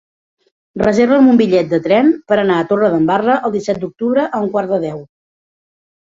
Reserva'm un bitllet de tren per anar a Torredembarra el disset d'octubre a un quart de deu.